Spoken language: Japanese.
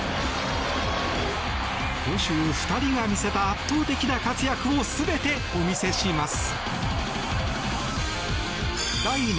今週、２人が見せた圧倒的な活躍を全てお見せします。